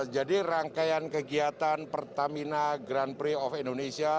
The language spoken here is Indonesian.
jadi rangkaian kegiatan pertamina grand prix of indonesia